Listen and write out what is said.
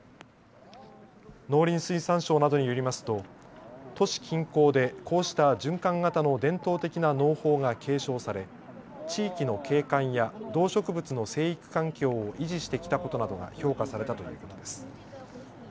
農林水産省などによりますと都市近郊でこうした循環型の伝統的な農法が継承され地域の景観や動植物の生育環境を維持してきたことなどが評価されたということです。